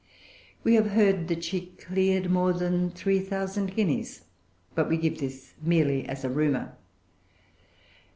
We have heard that she cleared more than three thousand guineas. But we give this merely as a rumor.